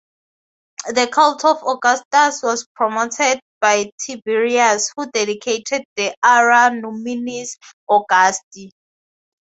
The cult of Augustus was promoted by Tiberius, who dedicated the "Ara Numinis Augusti".